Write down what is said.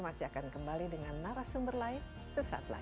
masih akan kembali dengan narasumber lain sesaat lagi